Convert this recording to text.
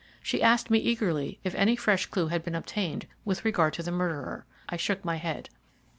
She asked me eagerly if any fresh clue had been obtained with regard to the murderer. I shook my head.